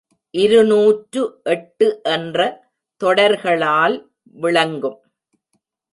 இருநூற்று எட்டு என்ற தொடர்களால் விளங்கும்.